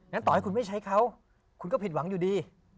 ต่อให้คุณไม่ใช้เขาคุณก็ผิดหวังอยู่ดี